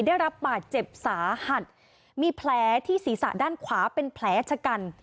ได้รับบาดเจ็บสาหัสมีแผลที่ศีรษะด้านขวาเป็นแผลชะกัน